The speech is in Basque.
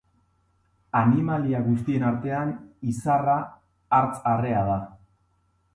Animalia guztien artean izarra hartz arrea da.